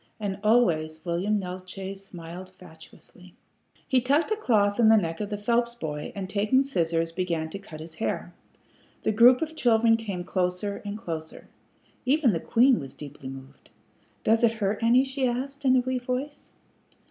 And always William Neeltje smiled fatuously. He tucked a cloth in the neck of the Phelps boy, and taking scissors, began to cut his hair. The group of children came closer and closer. Even the queen was deeply moved. "Does it hurt any?" she asked, in a wee voice.